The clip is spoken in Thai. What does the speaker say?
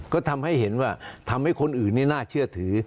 ก็ทำให้เห็นว่าทำให้คนอื่นนี่น่าเชื่อถือ